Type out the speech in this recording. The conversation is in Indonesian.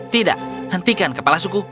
tidak hentikan kepala suku